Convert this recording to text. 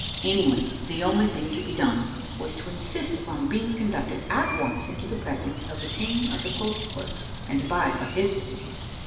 Anyway, the only thing to be done was to insist upon being con ducted at once into the presence of the King of the Koltykwerps, and abide by his decision.